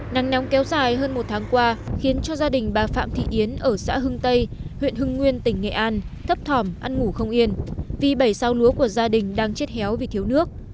nắng nóng kéo dài hơn một tháng qua khiến cho gia đình bà phạm thị yến ở xã hưng tây huyện hưng nguyên tỉnh nghệ an thấp thỏm ăn ngủ không yên vì bảy sao lúa của gia đình đang chết héo vì thiếu nước